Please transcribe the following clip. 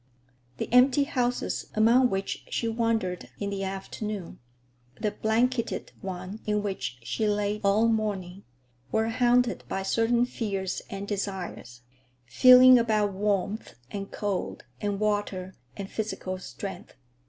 The empty houses, among which she wandered in the afternoon, the blanketed one in which she lay all morning, were haunted by certain fears and desires; feelings about warmth and cold and water and physical strength.